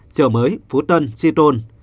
chợ mới phú tân tri tôn